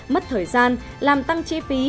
mất thời gian làm tăng chi phí